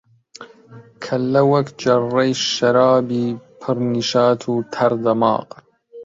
کەللە وەک جەڕڕەی شەرابی پر نیشات و تەڕ دەماغ